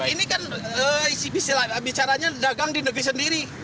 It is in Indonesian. ini kan isi bisilanya dagang di negeri sendiri